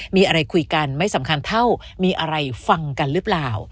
มีอะไรคุยกันไม่สำคัญเท่ามีอะไรฟังกันหรือเปล่า